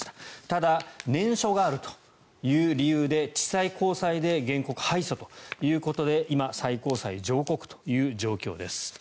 ただ、念書があるという理由で地裁、高裁で原告、敗訴ということで今、最高裁上告という状況です。